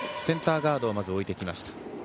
センターガードをまず置いていきました。